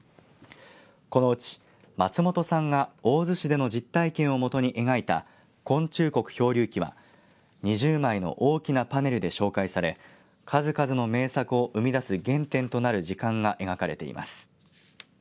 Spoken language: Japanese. このうち松本さんが大洲市での実体験を基に描いた昆虫国漂流記は２０枚の大きなパネルで紹介され数々の名作を生み出す原点となる時間が描かれています。